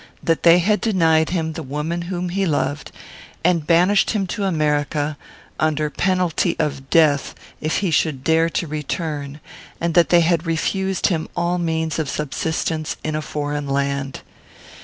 That they had denied him the woman whom he loved and banished him to America, under penalty of death if he should dare to return, and that they had refused him all means of subsistence in a foreign land.